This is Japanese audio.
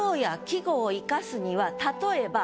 季語を生かすには例えば。